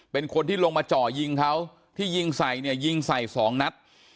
เป็นคนที่ลงมาเจาะยิงเขาที่ยิงใส่เนี่ยยิงใส่สองนัด